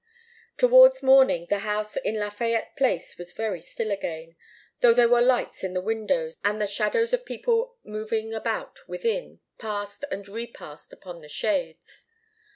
Towards morning the house in Lafayette Place was very still again, though there were lights in the windows, and the shadows of people moving about within passed and repassed upon the shades.